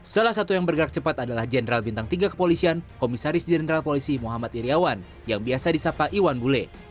salah satu yang bergerak cepat adalah jenderal bintang tiga kepolisian komisaris jenderal polisi muhammad iryawan yang biasa disapa iwan bule